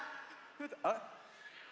あれ？